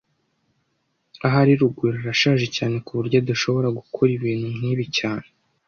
Ahari Rugwiro arashaje cyane kuburyo adashobora gukora ibintu nkibi cyane